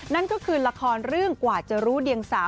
นั่นก็คือละครเรื่องกว่าจะรู้เดียงสา